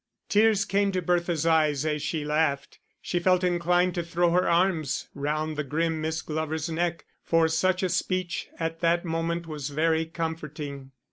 Tears came to Bertha's eyes as she laughed; she felt inclined to throw her arms round the grim Miss Glover's neck, for such a speech at that moment was very comforting.